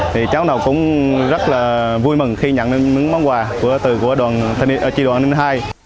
thì cháu nào cũng rất là vui mừng khi nhận đến món quà từ trị đoàn an ninh hai